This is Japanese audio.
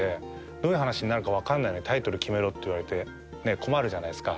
どういう話になるか分かんないのにタイトル決めろて言われて困るじゃないですか。